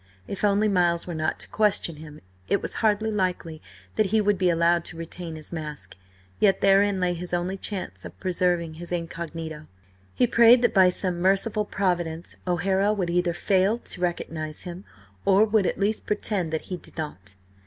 If only Miles were not to question him! It was hardly likely that he would be allowed to retain his mask, yet therein lay his only chance of preserving his incognito. He prayed that by some merciful providence O'Hara would either fail to recognise him or would at least pretend that he did not.